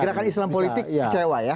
gerakan islam politik kecewa ya